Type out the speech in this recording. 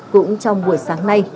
cũng trong buổi sáng nay